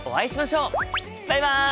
バイバイ！